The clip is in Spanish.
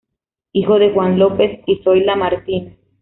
Hijo de Juan López y Zoila Martínez.